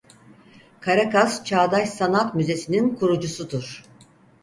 Caracas Çağdaş Sanat Müzesi'nin kurucusudur.